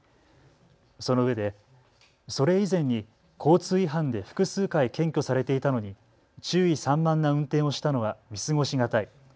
そのうえでそれ以前に交通違反で複数回、検挙されていたのに注意散漫な運転をしたのは見過ごしがたい。